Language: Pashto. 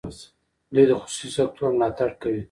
دوی د خصوصي سکټور ملاتړ کوي.